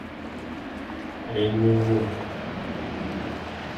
Enyunyung.